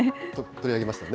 取り上げましたね。